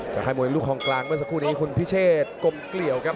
ค่ายมวยลูกคลองกลางเมื่อสักครู่นี้คุณพิเชษกลมเกลี่ยวครับ